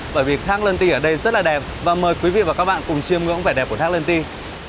bởi vì thác lân ti ở đây rất là đẹp và mời quý vị và các bạn cùng chiêm ngưỡng vẻ đẹp của thác lân tiên